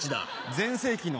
全盛期の。